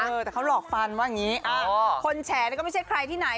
เออแต่เขาหลอกฟันว่างี้อ้าวคนแชร์นี่ก็ไม่ใช่ใครที่ไหน